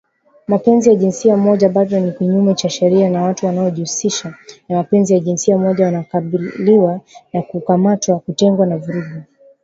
Mapenzi ya jinsia moja bado ni kinyume cha sheria na watu wanaojihusisha na mapenzi ya jinsia moja wanakabiliwa na kukamatwa, kutengwa na vurugu